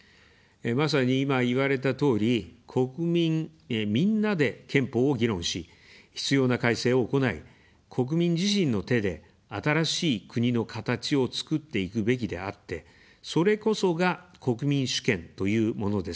まさに今、言われたとおり、国民みんなで憲法を議論し、必要な改正を行い、国民自身の手で新しい「国のかたち」をつくっていくべきであって、それこそが、国民主権というものです。